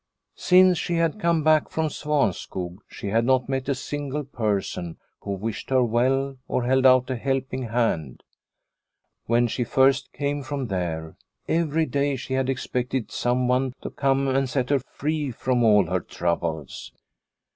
Since she had come back from Svanskog she had not met a single person who wished her well or held out a helping hand. When she first came from there every day she had ex pected someone to come and set her free from all her troubles.